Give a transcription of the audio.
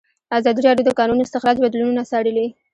ازادي راډیو د د کانونو استخراج بدلونونه څارلي.